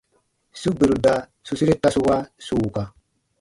Su gberu da su sere tasu wa su wuka.